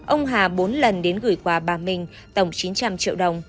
ông hà bốn lần đến gửi quà bà minh tổng chín trăm linh triệu đồng